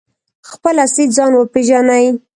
خپل اصلي ځان وپیژني؟